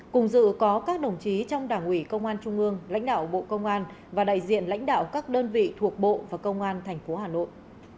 cùng dự có các đồng chí trong đảng ủy công an trung ương lãnh đạo bộ công an và đại diện lãnh đạo các đơn vị thuộc bộ và công an tp hà nội